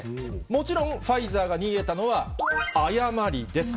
もちろん、ファイザーが逃げたのは誤りです。